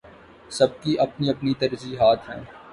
سب کی اپنی اپنی ترجیحات ہیں۔